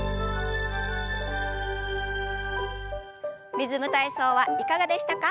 「リズム体操」はいかがでしたか？